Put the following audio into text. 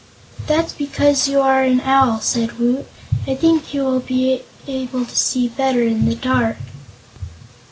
"That's because you are an Owl," said Woot. "I think you will see better in the dark."